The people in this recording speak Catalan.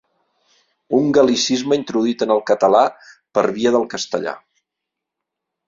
Un gal·licisme introduït en el català per via del castellà.